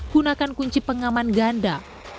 gunakan kunci pengaman ganda